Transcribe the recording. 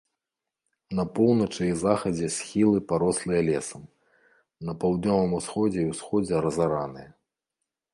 На поўначы і захадзе схілы парослыя лесам, на паўднёвым усходзе і ўсходзе разараныя.